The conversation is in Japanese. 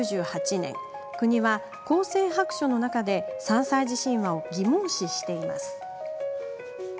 国は「厚生白書」の中で３歳児神話を疑問視しています。